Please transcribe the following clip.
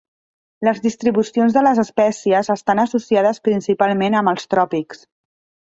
Les distribucions de les espècies estan associades principalment amb els tròpics.